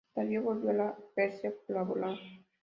Darío volvió a Persia por la Bolan.